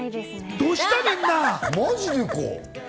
どうしたみんな。